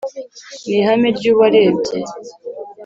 ni ihame ry’uwarebye